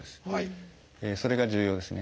それが重要ですね。